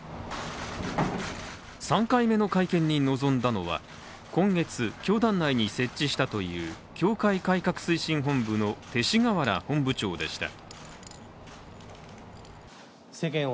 ３回目の会見に臨んだのは、今月、教団内に設置したという教会改革推進本部の勅使河原本部長でした。